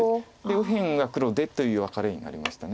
右辺が黒でというワカレになりました。